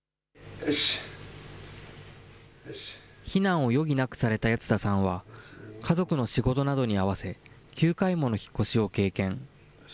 避難を余儀なくされた谷津田さんは、家族の仕事などに合わせ、９回もの引っ越しを経験。